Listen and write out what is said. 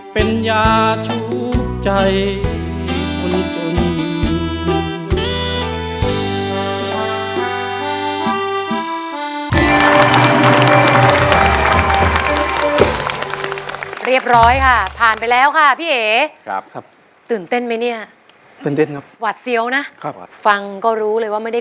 เป็นยาชูบใจ